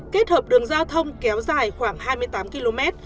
kết hợp đường giao thông kéo dài khoảng hai mươi tám km